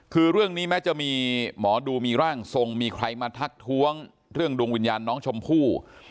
คือเรื่องนี้แม้จะมีหมอดูมีร่างทรงมีใครมาทักท้วงเรื่องดวงวิญญาณน้องชมพู่